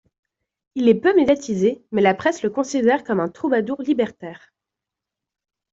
Il est peu médiatisé, mais la presse le considère comme un troubadour libertaire.